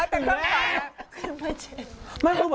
ขึ้นมาเช็ด